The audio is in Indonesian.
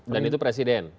dan itu presiden